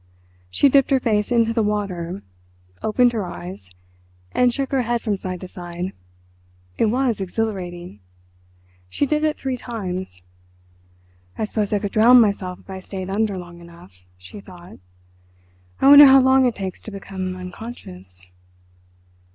She dipped her face into the water, opened her eyes, and shook her head from side to side—it was exhilarating. She did it three times. "I suppose I could drown myself if I stayed under long enough," she thought. "I wonder how long it takes to become unconscious?...